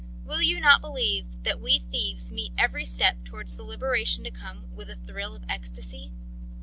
Will you not believe that we thieves meet every step towards the liberation to come with a thrill of ecstasy?